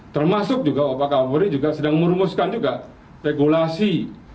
termasuk juga bapak kapolri juga sedang merumuskan juga regulasi